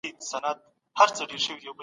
وکيل د دېوال تر شا پټ شوی و.